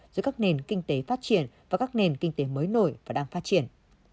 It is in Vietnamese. giữa các nền kinh tế phát triển và các nền kinh tế mới nổi và đang phát triển